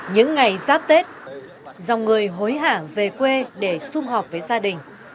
những ngày giáp tết dòng người hối hả về quê để xung họp với gia đình